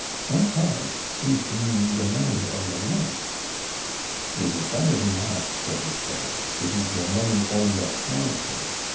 '" "'Chantage' seems to mean your money or your life?" "It is better than that," said Lousteau; "it is your money or your character.